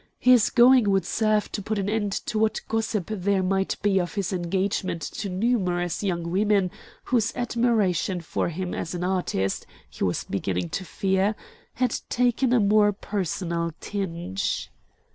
His going would serve to put an end to what gossip there might be of his engagement to numerous young women whose admiration for him as an artist, he was beginning to fear, had taken on a more personal tinge.